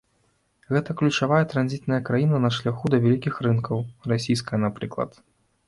Гэта ключавая транзітная краіна на шляху да вялікіх рынкаў, расійскага, напрыклад.